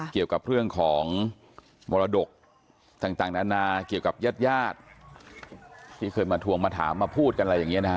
เกี่ยวกับเรื่องของมรดกต่างนานาเกี่ยวกับญาติญาติที่เคยมาทวงมาถามมาพูดกันอะไรอย่างนี้นะฮะ